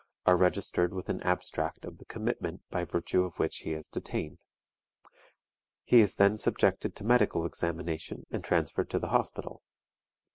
are registered with an abstract of the commitment by virtue of which he is detained. He is then subjected to medical examination and transferred to the Hospital.